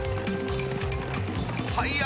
はいや！